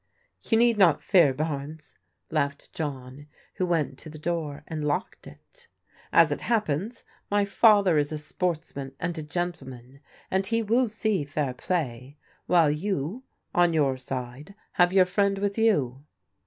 " You need not fear, Barnes," laughed John, who went to the door and locked it. "As it happens, my father is a sportsman and a gentleman, and he will see fair playi while you, on your side, have your friend with you."